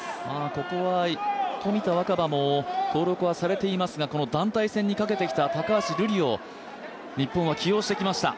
ここは、冨田若春も登録はされていますが、この団体戦にかけてきた高橋瑠璃を日本は起用してきました。